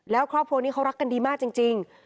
แล้วครอบครัวนี้เขารักกันดีมากจริง